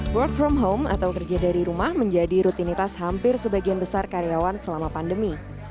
work from home atau kerja dari rumah menjadi rutinitas hampir sebagian besar karyawan selama pandemi